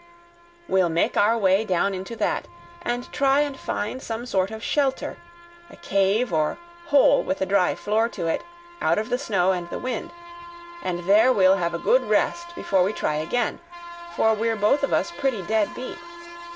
We'll make our way down into that, and try and find some sort of shelter, a cave or hole with a dry floor to it, out of the snow and the wind, and there we'll have a good rest before we try again, for we're both of us pretty dead beat.